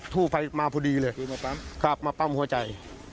ถูไปมาพอดีเลยเนี่ยครับมาปั้มหัวใจ